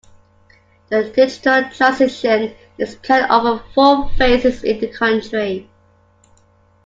The digital transition is planned over four phases in the country.